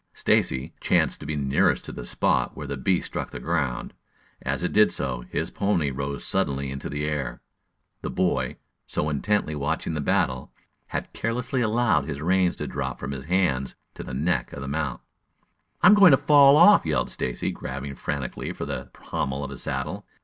Stacy chanced to be nearest to the spot where the beast struck the ground. As it did so, his pony rose suddenly into the air. The boy, so intently watching the battle, had carelessly allowed his reins to drop from his hand to the neck of his mount. "I'm going to fall off!" yelled Stacy, grabbing frantically for the pommel of his saddle.